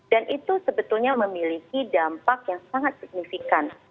dan itu sebetulnya memiliki dampak yang sangat signifikan